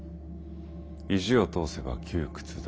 「意地を通せば窮屈だ。